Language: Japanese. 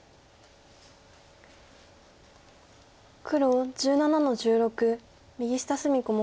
黒１７の十六右下隅小目。